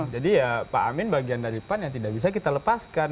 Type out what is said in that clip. jadi ya pak amin bagian dari pan yang tidak bisa kita lepaskan